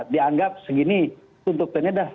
dianggap segini untuk tentunya